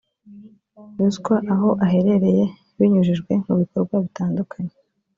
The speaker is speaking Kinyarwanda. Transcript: ruswa aho aherereye binyujijwe mu bikorwa bitandukanye